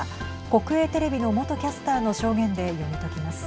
国営テレビの元キャスターの証言で読み解きます。